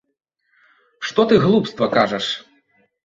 Што ты глупства кажаш?